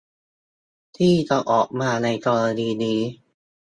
ที่จะออกมาในกรณีนี้